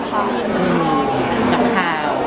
ครับค่ะ